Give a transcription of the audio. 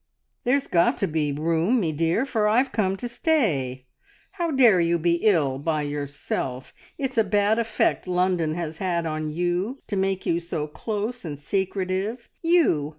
"There's got to be room, me dear, for I've come to stay. How dare you be ill by yourself? It's a bad effect London has had on you to make you so close and secretive. You!